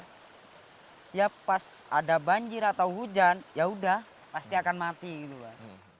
ya pas ada banjir atau hujan ya udah pasti akan mati gitu kan